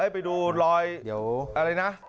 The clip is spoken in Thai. ไปดูรอยอะไรน่ะ